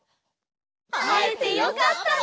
あえてよかったね！